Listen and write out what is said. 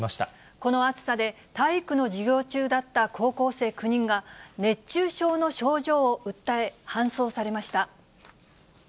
この暑さで、体育の授業中だった高校生９人が、熱中症の症状を訴え、搬送されました。